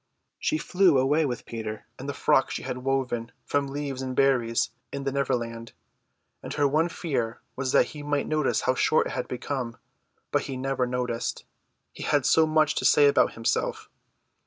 She flew away with Peter in the frock she had woven from leaves and berries in the Neverland, and her one fear was that he might notice how short it had become; but he never noticed, he had so much to say about himself.